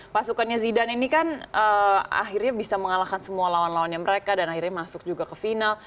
pasukannya zidan ini kan akhirnya bisa mengalahkan semua lawan lawannya mereka dan akhirnya masuk juga ke final